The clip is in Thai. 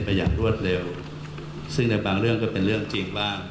อย่างรวดเร็วซึ่งในบางเรื่องก็เป็นเรื่องจริงบ้าง